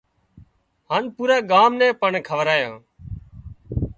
هانَ پُورا ڳام نين پڻ کورايان